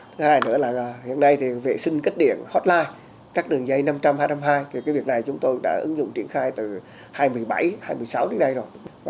thứ hai nữa là hiện nay thì vệ sinh kết điện hotline các đường dây năm trăm linh hai trăm năm mươi hai thì cái việc này chúng tôi đã ứng dụng triển khai từ hai mươi bảy hai mươi sáu đến nay rồi